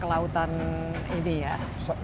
kalau kita menggenjot dari sektor sektor lain